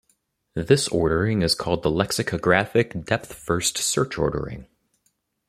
This ordering is called the lexicographic depth-first search ordering.